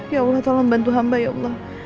ya allah tolong bantu hamba ya allah